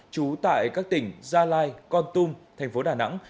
trú tại các tỉnh gia lai con tum thành phố đà nẵng